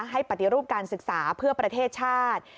ปฏิรูปการศึกษาเพื่อประเทศชาติ